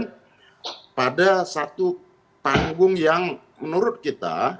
dan pada satu panggung yang menurut kita